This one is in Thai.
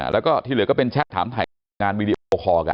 แล้วก็เป็นแชทถามถ่ายงานวีดีโอของมัน